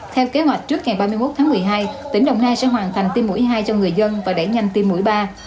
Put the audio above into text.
theo kế hoạch trước ngày ba mươi một tháng một mươi hai tỉnh đồng nai sẽ hoàn thành tiêm mũi hai cho người dân và đẩy nhanh tiêm mũi ba